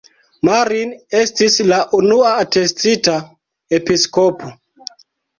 Marin estis la unua atestita episkopo.